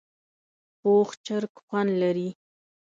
پوخ چرګ خوند لري